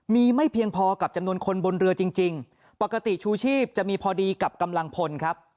มีไม่เพียงพอกับจำนวนคนบนเรือจริงจริงปกติชูชีพจะมีพอดีกับกำลังพลครับ